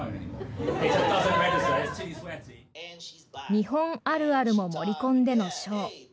日本あるあるも盛り込んでのショー。